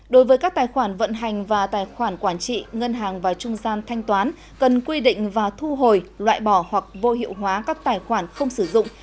đối với các tài khoản vận hành và tài khoản quản trị ngân hàng và trung gian thanh toán cần quy định và thu hồi loại bỏ hoặc vô hiệu hóa các tài khoản không sử dụng